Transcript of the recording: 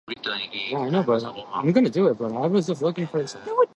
Kirov is the administrative center of the oblast.